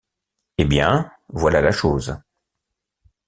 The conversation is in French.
Eh bien, voilà la chose.